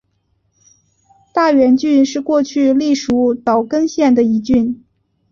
大原郡是过去隶属岛根县的一郡。